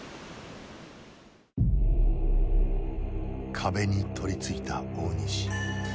壁に取りついた大西。